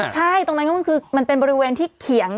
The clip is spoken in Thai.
ใช่ตรงนั้นก็คือมันเป็นบริเวณที่เขียง